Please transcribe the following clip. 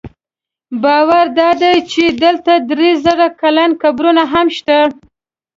باور دا دی چې دلته درې زره کلن قبرونه هم شته.